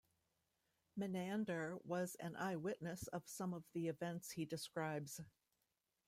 Menander was an eye-witness of some of the events he describes.